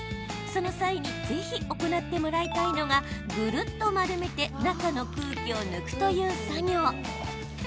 その際にぜひ行ってもらいたいのがぐるっと丸めて中の空気を抜くという作業。